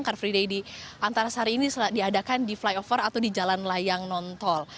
car free day di antarsari ini diadakan di flyover atau di jalan layang nontol